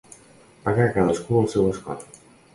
Pagar cadascú el seu escot.